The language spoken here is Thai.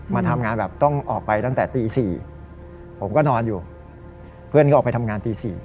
มาทำงานแบบต้องออกไปตั้งแต่ตี๔ผมก็นอนอยู่เพื่อนก็ออกไปทำงานตี๔